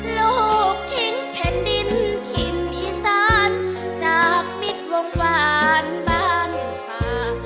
ลูกทิ้งแผ่นดินถิ่นอีสานจากมิตรวงวานบ้านป่า